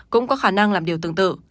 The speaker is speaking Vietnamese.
cũng có khả năng làm điều tương tự